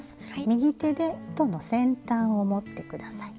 右手で糸の先端を持ってください。